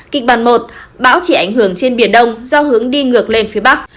kịch bản một bão chỉ ảnh hưởng trên biển đông do hướng đi ngược lên phía bắc